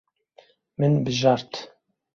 Min bijart.